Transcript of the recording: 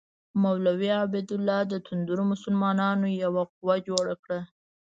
مولوي عبیدالله د توندرو مسلمانانو یوه قوه جوړه کړه.